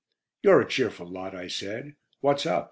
"You're a cheerful lot," I said. "What's up?